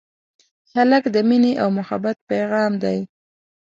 هلک د مینې او محبت پېغام دی.